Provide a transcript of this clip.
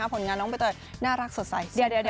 ผลงานน้องใบเตยน่ารักสดใส